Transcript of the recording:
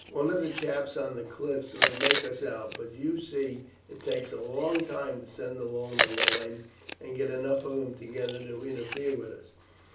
One of the chaps on the cliff may make us out, but you see it takes a long time to send along the line and get enough of them together to interfere with us.